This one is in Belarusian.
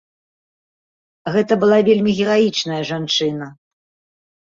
Гэта была вельмі гераічная жанчына.